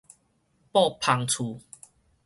布篷厝